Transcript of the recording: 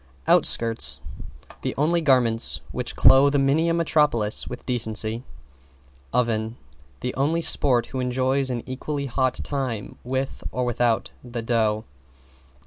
=OUTSKIRTS= The only garments which clothe many a metropolis with decency. =OVEN= The only sport who enjoys an equally hot time with or without the dough.